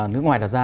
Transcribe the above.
nước ngoài đặt ra